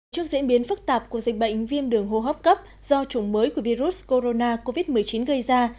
trước diễn biến phức tạp của dịch bệnh viêm đường hô hấp cấp do chủng mới của virus corona covid một mươi chín gây ra